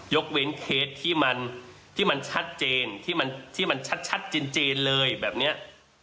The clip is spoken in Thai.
ยกเว้นเคสที่มันที่มันชัดเจนที่มันที่มันชัดชัดเจนเจนเลยแบบเนี้ย